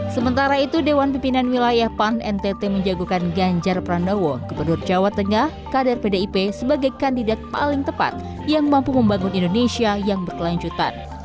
sementara itu dewan pimpinan wilayah pan ntt menjagokan ganjar pranowo gubernur jawa tengah kader pdip sebagai kandidat paling tepat yang mampu membangun indonesia yang berkelanjutan